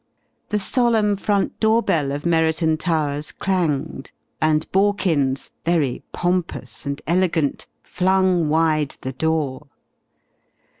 The solemn front door bell of Merriton Towers clanged, and Borkins, very pompous and elegant, flung wide the door.